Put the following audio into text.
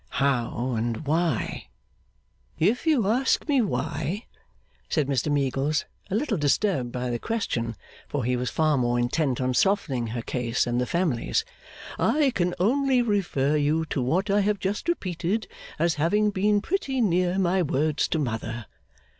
'How, and why?' 'If you ask me Why,' said Mr Meagles, a little disturbed by the question, for he was far more intent on softening her case than the family's, 'I can only refer you to what I have just repeated as having been pretty near my words to Mother.